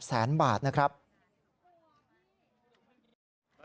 เราไม่ห่วงเอาเงินก่อนหรือ